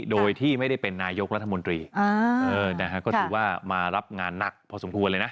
โดยที่ไม่ได้เป็นนายกรัฐมนตรีก็ถือว่ามารับงานหนักพอสมควรเลยนะ